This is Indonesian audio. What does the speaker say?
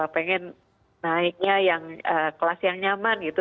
pengen naiknya yang kelas yang nyaman gitu